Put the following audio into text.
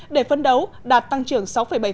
để phấn đấu đạt tăng trưởng sáu bảy